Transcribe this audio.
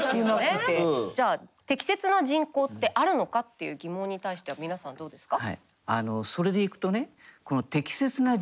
じゃあ適切な人口ってあるのかっていう疑問に対しては皆さんどうですか。